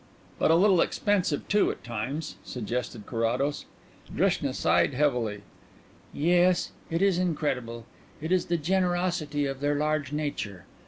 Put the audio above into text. "But a little expensive, too, at times?" suggested Carrados. Drishna sighed heavily. "Yes; it is incredible. It is the generosity of their large nature.